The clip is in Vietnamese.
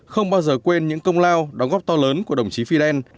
không bao giờ quên những công lao đóng góp to lớn của đồng chí fidel